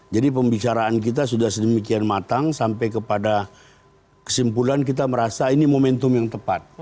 jadi pembicaraan kita sudah sedemikian matang sampai kepada kesimpulan kita merasa ini momentum yang tepat